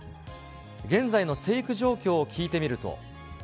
現在の生育状況を聞いてみると。